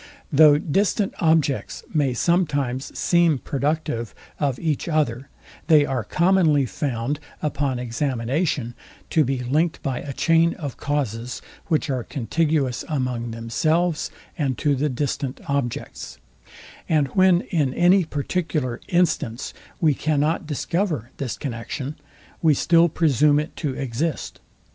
Though distant objects may sometimes seem productive of each other, they are commonly found upon examination to be linked by a chain of causes, which are contiguous among themselves, and to the distant objects; and when in any particular instance we cannot discover this connexion, we still presume it to exist.